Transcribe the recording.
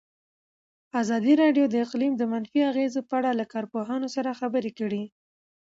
ازادي راډیو د اقلیم د منفي اغېزو په اړه له کارپوهانو سره خبرې کړي.